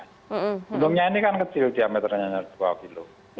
gunungnya ini kan kecil diameternya hanya dua kilo